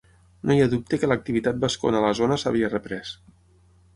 No hi ha dubte que l'activitat vascona a la zona s'havia reprès.